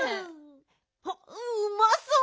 おっうまそう！